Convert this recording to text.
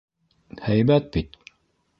- Һәйбәт бит?